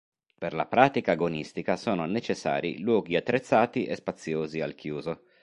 Per la pratica agonistica sono necessari luoghi attrezzati e spaziosi al chiuso.